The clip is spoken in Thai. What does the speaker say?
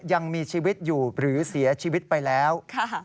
ยังมีชีวิตอยู่หรือเสียชีวิตไปแล้ว